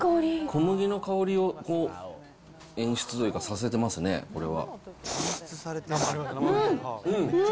小麦の香りを演出というか、させてますね、これは。うん！